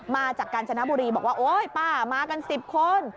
มาจากกาญจนบุรีบอกว่าโอ๊ยป้ามากัน๑๐คน